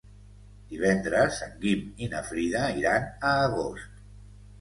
Divendres en Guim i na Frida iran a Agost.